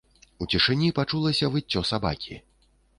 У цішыні пачулася выццё сабакі.